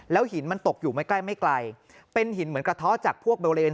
แล้วหินมันตกอยู่ใกล้ไม่ไกลเป็นหินเหมือนกระท้อจากพวกเบอร์เรน